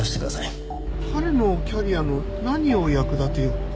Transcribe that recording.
彼のキャリアの何を役立てようと？